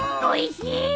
おいしい！